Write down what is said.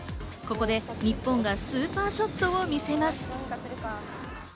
ここで日本がスーパーショットを見せます。